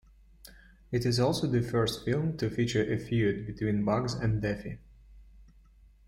It is also the first film to feature a feud between Bugs and Daffy.